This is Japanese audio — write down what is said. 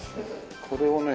これをね。